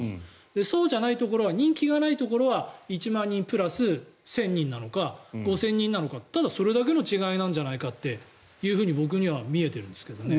そうじゃないところは人気がないところは１万人プラス１０００人なのか５０００人なのかただそれだけの違いなんじゃないかっていうふうに僕には見えているんですけどね。